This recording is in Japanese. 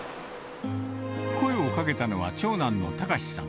声をかけたのは、長男の貴志さん。